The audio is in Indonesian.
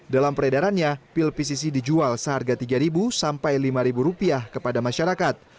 dalam peredarannya pil pcc dijual seharga rp tiga sampai rp lima kepada masyarakat